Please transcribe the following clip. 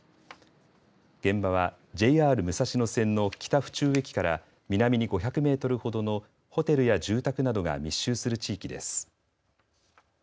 現場はＪＲ武蔵野線の北府中駅から南に５００メートルほどのホテルや住宅などが密集する地域です。